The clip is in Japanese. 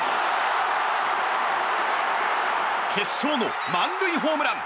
決勝の満塁ホームラン！